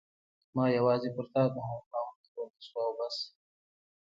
ما یوازې پر تا د هغه باور کولای شو او بس.